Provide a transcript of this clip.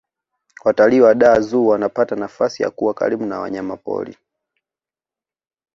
watalii wa dar zoo wanapata nafasi ya kuwa karibu na wanyamapori